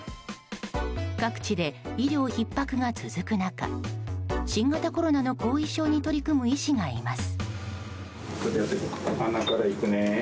各地で、医療ひっ迫が続く中新型コロナの後遺症に取り組む医師がいます。